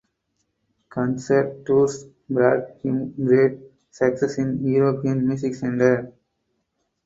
Concert tours brought him great success in European music centres.